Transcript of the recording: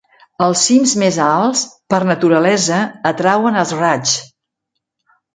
Els cims més alts, per naturalesa, atrauen els raigs.